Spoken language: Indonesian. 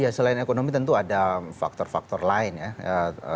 ya selain ekonomi tentu ada faktor faktor lain ya